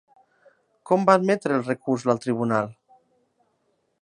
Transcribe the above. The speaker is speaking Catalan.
Com va admetre el recurs l'alt tribunal?